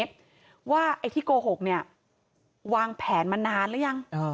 ว่าไอ้ที่โกหกเนี่ยวางแผนมานานหรือยัง